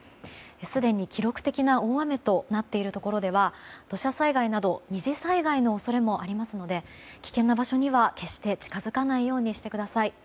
すでに記録的な大雨となっているところでは土砂災害など２次災害の恐れもありますので危険な場所には決して近づかないようにしてください。